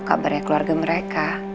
kabarnya keluarga mereka